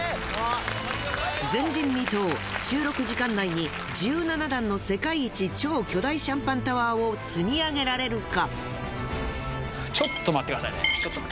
前人未踏収録時間内に１７段の世界一超巨大シャンパンタワーを積み上げられるか？